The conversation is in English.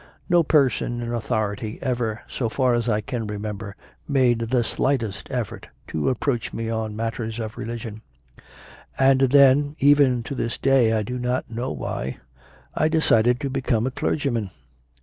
No person in authority ever, so far as I can remember, made the slightest effort to approach me on matters of religion. 6. And then even to this day I do not know why I decided to become a clergyman.